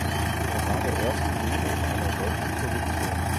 Er war der erste Jude in einer solchen Position.